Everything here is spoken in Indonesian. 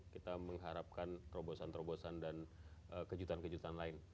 kita mengharapkan terobosan terobosan dan kejutan kejutan lain